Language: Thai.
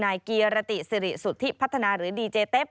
เกียรติสิริสุทธิพัฒนาหรือดีเจเต็ป